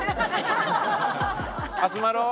集まろう！